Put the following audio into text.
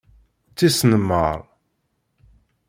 Tisnemmar!